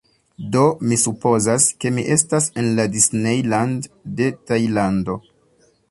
Do, mi supozas, ke mi estas en la Disney Land de Tajlando